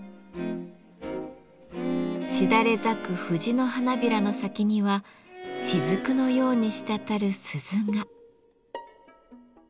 しだれ咲く藤の花びらの先にはしずくのように滴る鈴が。